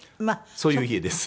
そういう家です。